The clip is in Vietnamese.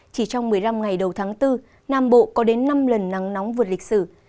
chỉ trong một mươi năm ngày đầu tháng bốn nam bộ có đến năm lần nắng nóng vượt lịch sử